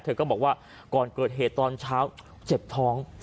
ก็บอกว่าก่อนเกิดเหตุตอนเช้าเจ็บท้อง